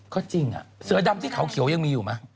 ก็จริงเสือดำที่เขาเขียวยังมีอยู่ไหม